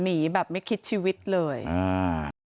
แต่ว่าสุดท้ายก็ตามจนทัน